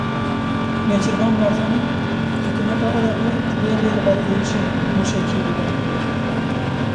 Nêçîrvan Barzanî Hikûmeta Iraqê divê rê li ber êrişên mûşekî bigire.